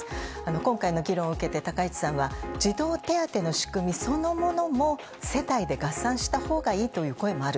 今回の議論を受けて高市さんは、児童手当の仕組みそのものも、世帯で合算したほうがいいという声もある。